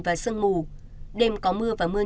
và sơn mù đêm có mưa và mưa